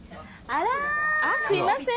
あっすいません。